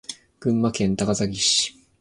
群馬県高崎市